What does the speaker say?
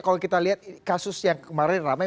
kalau kita lihat kasus yang kemarin ramai